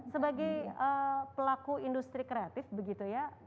sebagai pelaku industri kreatif begitu ya